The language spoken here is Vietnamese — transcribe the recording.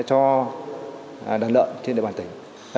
cho đàn lợn trên địa bàn tỉnh